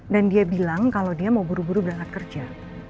dan dia bilang kalau dia mau buru buru berangkat kerja